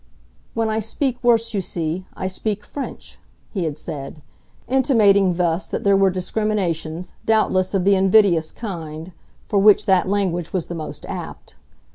"When I speak worse, you see, I speak French," he had said; intimating thus that there were discriminations, doubtless of the invidious kind, for which that language was the most apt.